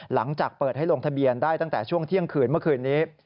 หลังจากเปิดให้ลงทะเบียนได้ตั้งแต่ช่วงเที่ยงคืนเมื่อคืนนี้